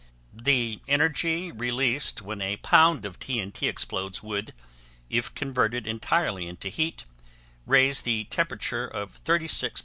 The energy released when a pound of T.N.T. explodes would, if converted entirely into heat, raise the temperature of 36 lbs.